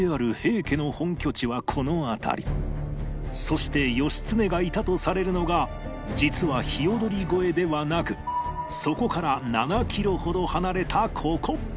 そして義経がいたとされるのが実はひよどり越えではなくそこから７キロほど離れたここ